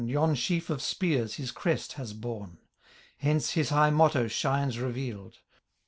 Yon sheaf of spears his crest has borne ; Hence his high motto shines reveal'd —